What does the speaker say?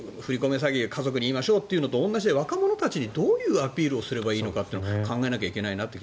詐欺家族に言いましょうっていうのと同じで若者たちにどういうアピールをしなきゃいけないか考えないといけないなと。